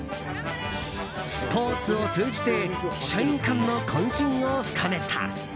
スポーツを通じて社員間の懇親を深めた。